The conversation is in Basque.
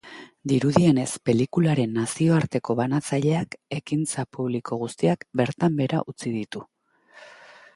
Dirudienez, pelikularen nazioarteko banatzaileak ekintza publiko guztiak bertan behera utzi ditu.